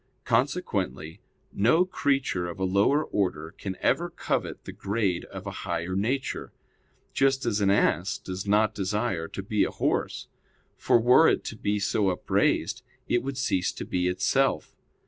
Consequently, no creature of a lower order can ever covet the grade of a higher nature; just as an ass does not desire to be a horse: for were it to be so upraised, it would cease to be itself.